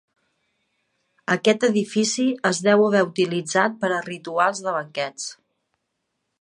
Aquest edifici es deu haver utilitzat per a rituals de banquets.